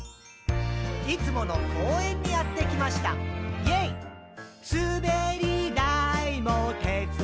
「いつもの公園にやってきました！イェイ！」